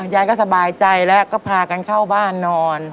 ยายก็สบายใจแล้วก็พากันเข้าบ้านนอน